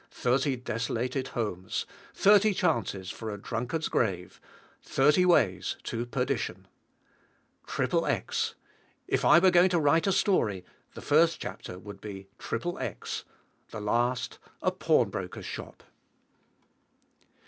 Thirty desolated homes. Thirty chances for a drunkard's grave. Thirty ways to perdition. "XXX." If I were going to write a story, the first chapter would be XXX.; the last "A pawnbroker's shop."